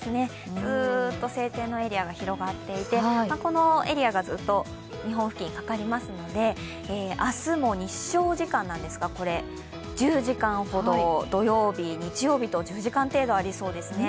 ずーっと晴天のエリアが広がっていてこのエリアがずっと日本付近にかかりますので、明日も日照時間、１０時間ほど、土曜日、日曜日と１０時間程度ありそうです。